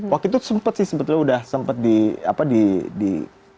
waktu itu sempet sih sebetulnya udah sempet di